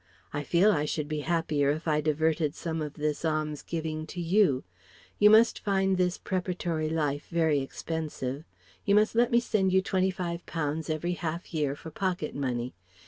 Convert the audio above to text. I feel I should be happier if I diverted some of this alms giving to you. You must find this preparatory life very expensive. You must let me send you twenty five pounds every half year for pocket money.